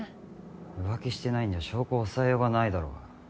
浮気してないんじゃ証拠を押さえようがないだろうが。